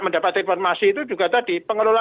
mendapatkan informasi itu juga tadi